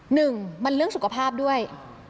หนึ่งมันเรื่องสุขภาพด้วย